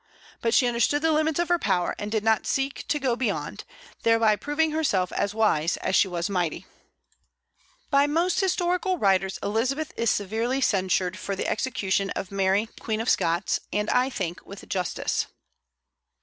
But she understood the limits of her power, and did not seek to go beyond: thereby proving herself as wise as she was mighty. By most historical writers Elizabeth is severely censured for the execution of Mary Queen of Scots, and I think with justice.